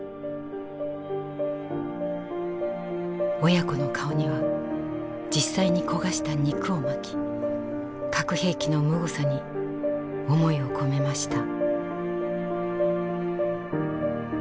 親子の顔には実際に焦がした肉をまき核兵器のむごさに思いを込めました。